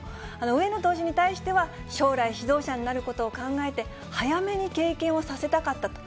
上野投手に対しては、将来、指導者になることを考えて、早めに経験をさせたかったと。